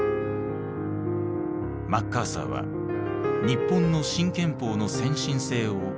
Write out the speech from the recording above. マッカーサーは日本の新憲法の先進性を誇らしげに語った。